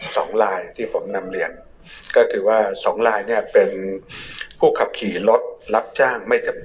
สองลายที่ผมนำเรียนก็คือว่าสองลายเนี้ยเป็นผู้ขับขี่รถรับจ้างไม่จำ